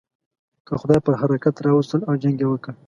که خدای پر حرکت را وستل او جنګ یې وکړ.